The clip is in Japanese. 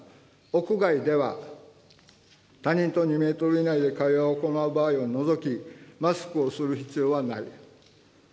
屋外では、他人と２メートル以内で会話を行う場合を除き、マスクをする必要はない。